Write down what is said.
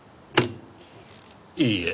いいえ。